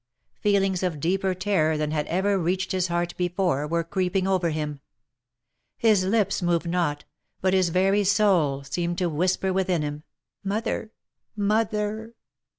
Feelings of deeper terror than had ever reached his heart before, were creeping over him. His lips moved not, but his very soul seemed to whisper within him, "Mother! Mother!"